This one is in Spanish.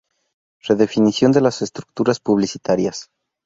Redefinición de las estructuras publicitarias.